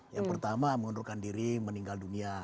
yang pertama mengundurkan diri meninggal dunia